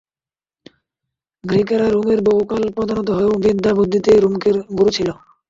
গ্রীকেরা রোমের বহুকাল পদানত হয়েও বিদ্যা-বুদ্ধিতে রোমকদের গুরু ছিল।